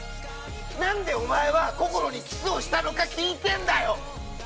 なんでお前はこころにキスしたのか聞いてんだよ。